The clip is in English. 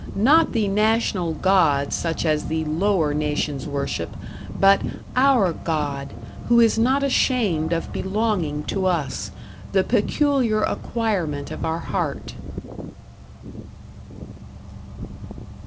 Not the national God such as the lower nations worship, but "our God," who is not ashamed of belonging to us, the peculiar acquirement of our heart.